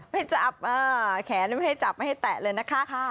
ไม่จับแขนไม่ให้จับไม่ให้แตะเลยนะคะ